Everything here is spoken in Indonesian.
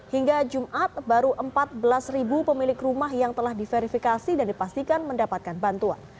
hingga jumat baru empat belas pemilik rumah yang telah diverifikasi dan dipastikan mendapatkan bantuan